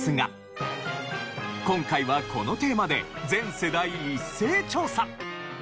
今回はこのテーマで全世代一斉調査！